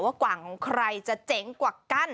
กว่างของใครจะเจ๋งกว่ากั้น